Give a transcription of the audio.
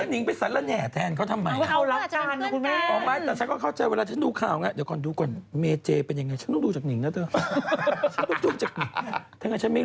หรือว่าแม่จริงอาจจะต้องแบบอย่างงี้เปล่าห้าม